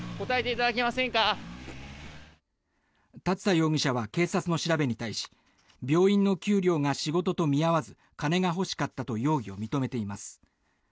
龍田容疑者は警察の調べに対し病院の給料が仕事と見合わず金が欲しかったと容疑を認めています。